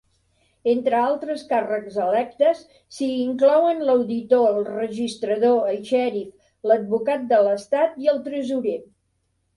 Entre altres càrrecs electes, s'hi inclouen l'auditor, el registrador, el xèrif, l'advocat de l'estat i el tresorer.